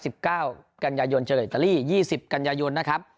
สิบเก้ากันยายนเจอกับอิตาลียี่สิบกันยายนนะครับ